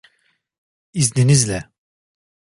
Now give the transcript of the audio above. İzninizle.